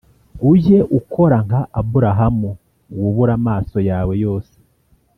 ujye ukora nka Aburahamu, wubure amaso yawe yose